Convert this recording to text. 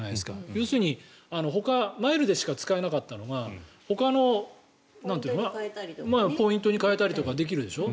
要するにマイルでしか使えなかったのがポイントに換えたりとかできるでしょ。